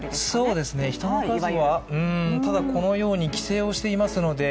そうですね、人の数はうん、ただこのように規制をしていますので。